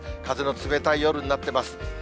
風の冷たい夜になっています。